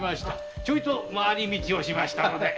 ちょいと回り道をしましたので。